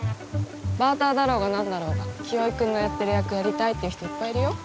バーターだろうがなんだろうが清居君のやってる役やりたいっていう人いっぱいいるよ。